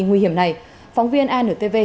nguy hiểm này phóng viên antv